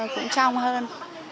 cũng trong hơn